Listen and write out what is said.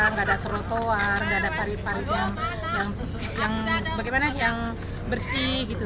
nggak ada trotoar nggak ada parit parit yang bersih gitu